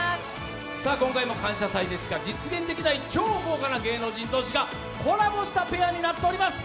今回も「感謝祭」でしか実現しない豪華芸能人同士がコラボしたペアになっております。